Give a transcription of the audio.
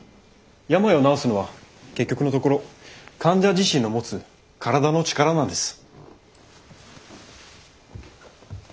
病を治すのは結局のところ患者自身の持つ体の力なんです。